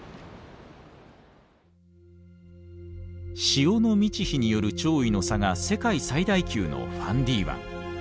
潮の満ち干による潮位の差が世界最大級のファンディ湾。